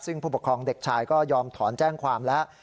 ซึ่งผู้ปกครองเด็กชายก็ยอมถอนแจ้งความแล้ว